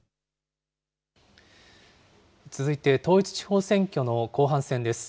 続いて統一地方選挙の後半戦です。